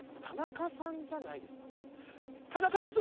「田中です。